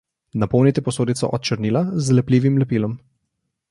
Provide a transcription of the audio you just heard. Napolnite posodico od črnila z lepljivim lepilom.